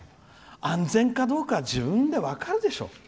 安全かどうかは自分で分かるでしょう。